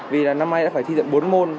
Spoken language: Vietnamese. vì năm nay đã phải thi dựng bốn môn